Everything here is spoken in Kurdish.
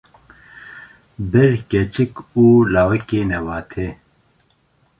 Bir keçik û lawikê newatê